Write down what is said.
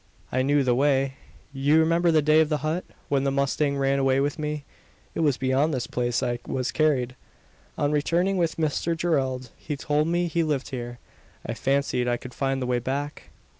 I knew the way. You remember the day of the hunt when the mustang ran away with me. It was beyond this place I was carried. On returning with Mr Gerald, he told me he lived here. I fancied I could find the way back."